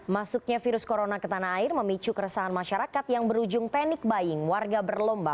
masuknya virus corona ke tanah air memicu keresahan masyarakat yang berujung panic buying warga berlomba